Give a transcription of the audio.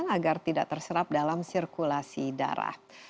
agar tidak terserap dalam sirkulasi darah